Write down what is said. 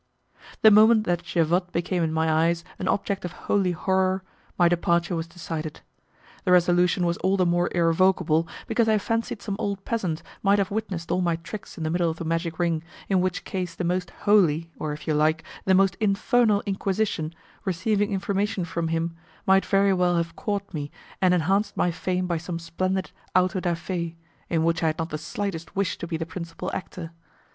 The moment that Javotte became in my eyes an object of holy horror, my departure was decided. The resolution was all the more irrevocable because I fancied some old peasant might have witnessed all my tricks in the middle of the magic ring, in which case the most Holy, or, if you like, the most infernal, Inquisition, receiving information from him, might very well have caught me and enhanced my fame by some splendid 'auto da fe' in which I had not the slightest wish to be the principal actor.